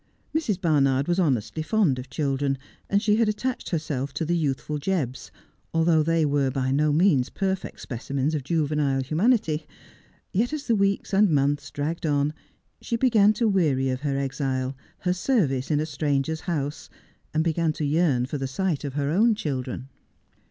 Mrs. Barnard was honestly fond of children, and "she had attached herself to the youthful Jebbs, although they were by no means perfect specimens of juvenile humanity; yet as the weeks and months dragged on she began to weary of her exile, her service in a stranger's house, and began to yearn for the sight of her own children.